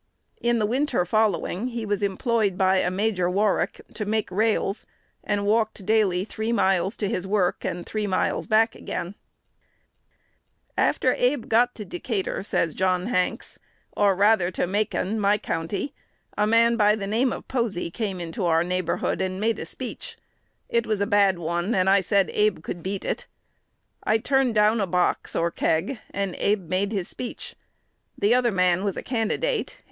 In the winter following, he was employed by a Major Warrick to make rails, and walked daily three miles to his work, and three miles back again. 1 See Holland's Life of Lincoln, p. 40. "After Abe got to Decatur," says John Hanks, "or rather to Macon (my country), a man by the name of Posey came into our neighborhood, and made a speech: it was a bad one, and I said Abe could beat it. I turned down a box, or keg, and Abe made his speech. The other man was a candidate.